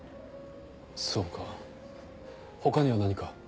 そうか他には何か？